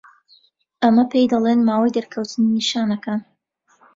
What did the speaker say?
ئەمە پێی دەڵێن ماوەی دەرکەوتنی نیشانەکان.